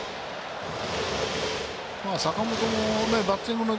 坂本もバッティングの